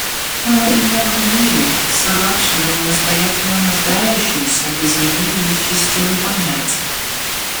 Мы живем в мире, срочно и настоятельно нуждающемся в изменении системы понятий.